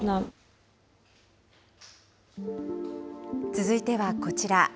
続いてはこちら。